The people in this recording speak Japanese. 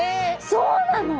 そうなの！？